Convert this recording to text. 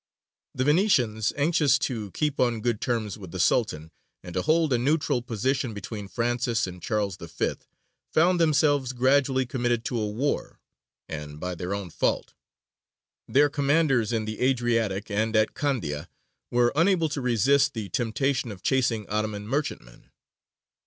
The Venetians, anxious to keep on good terms with the Sultan, and to hold a neutral position between Francis and Charles V., found themselves gradually committed to a war, and by their own fault. Their commanders in the Adriatic and at Candia were unable to resist the temptation of chasing Ottoman merchantmen.